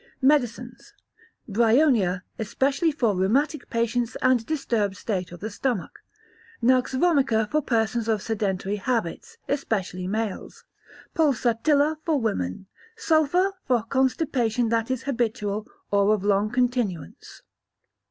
Medicines. Bryonia, especially for rheumatic patients, and disturbed state of the stomach; Nux vomica, for persons of sedentary habits, especially males; Pulsatilla, for women; Sulphur, for constipation that is habitual or of long continuance.